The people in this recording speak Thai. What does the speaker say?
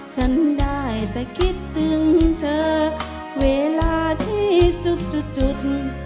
ฉันได้แต่คิดถึงเธอเวลาที่จุด